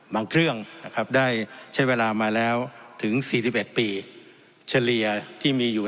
บางเครื่องนะครับได้ใช้เวลามาแล้วถึงสี่สิบเอ็ดปีเฉลี่ยที่มีอยู่